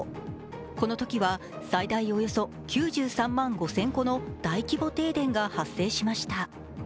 このときは最大およそ９３万５０００戸の大規模停電が発生しました。